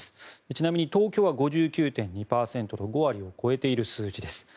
ちなみに東京は５９．２％と５割を超えている数字です。